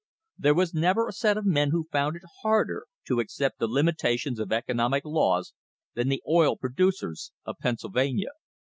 There was never a set of men who found it harder to accept the limitations of economic laws than the oil pro ducers of Pennsylvania.